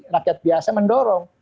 rakyat biasa mendorong